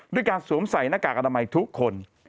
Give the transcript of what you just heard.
ด้วยการสวมใส่หน้ากากอนามัยทุกคน